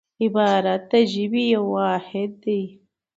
عبارت د ژبي یو واحد دئ.